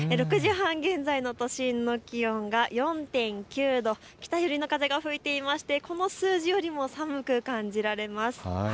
６時半現在の都心の気温が４．９度、北寄りの風が吹いていまして、この数字よりも寒く感じられます。